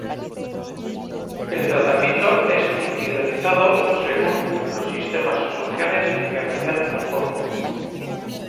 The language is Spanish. El tratamiento es individualizado según los sistemas sociales que rodean al joven.